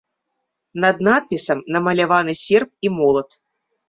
Над надпісам намаляваны серп і молат.